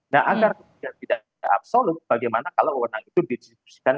nah agar kemudian tidak absolut bagaimana kalau wewenang itu didistribusikan